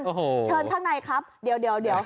เชิญทางในครับเดี๋ยว